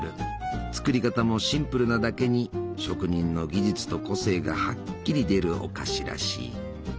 作り方もシンプルなだけに職人の技術と個性がはっきり出るお菓子らしい。